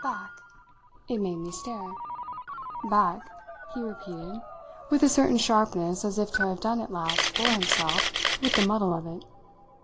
"'Back'?" It made me stare. "Back," he repeated with a certain sharpness and as if to have done at last, for himself, with the muddle of it.